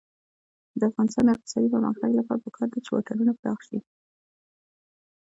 د افغانستان د اقتصادي پرمختګ لپاره پکار ده چې واټونه پراخ شي.